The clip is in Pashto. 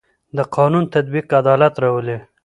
د قانون تطبیق عدالت راولي